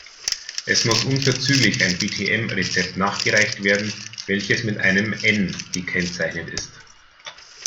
Es muss unverzüglich ein BtM-Rezept nachgereicht werden, welches mit einem „N“ gekennzeichnet ist.